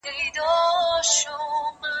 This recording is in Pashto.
لوښي د مور له خوا وچول کيږي؟!